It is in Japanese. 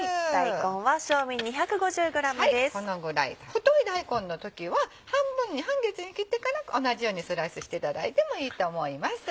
太い大根の時は半分に半月に切ってから同じようにスライスしていただいてもいいと思います。